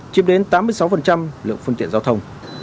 chiếm đến tám mươi sáu lượng phương tiện giao thông